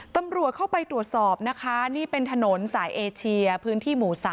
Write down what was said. ตำรวจเข้าไปตรวจสอบนะคะนี่เป็นถนนสายเอเชียพื้นที่หมู่๓